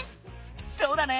そうだね！